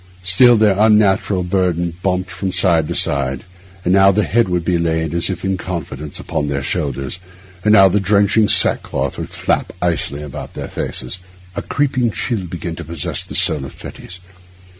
Still their unnatural burden bumped from side to side; and now the head would be laid, as if in confidence, upon their shoulders, and now the drenching sack cloth would flap icily about their faces. A creeping chill began to possess the soul of Fettes.